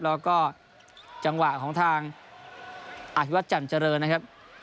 แล้วก็จังหวะของทางอธิวัตรแจ่มเจริญนะครับ